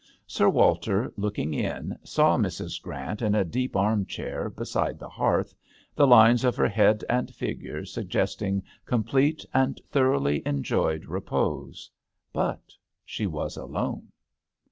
Sir Walter, looking in, saw Mrs. Grant in a deep arm chair beside the hearth, the lines of her head and figure suggesting complete and thoroughly enjoyed repose ; but she was alone.